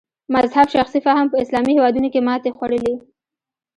مذهب شخصي فهم په اسلامي هېوادونو کې ماتې خوړلې.